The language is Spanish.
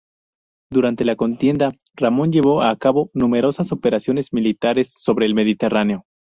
Durante la contienda, Ramón llevó a cabo numerosas operaciones militares sobre el Mediterráneo.